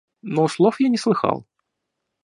Но слов я не слыхал.